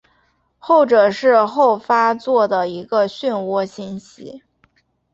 后者是后发座的一个旋涡星系。